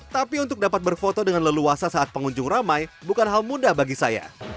tapi untuk dapat berfoto dengan leluasa saat pengunjung ramai bukan hal mudah bagi saya